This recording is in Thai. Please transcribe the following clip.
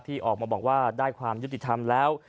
ที่ออกมาบอกว่าได้ความยุติธรรมแล้ว